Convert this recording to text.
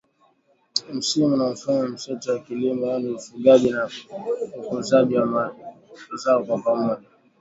msimu na mifumo mseto ya kilimo yaani ufugaji na ukuzaji wa mazao kwa pamoja